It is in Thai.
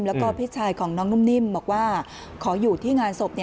แล้วก็พี่ชายของน้องนุ่มนิ่มบอกว่าขออยู่ที่งานศพ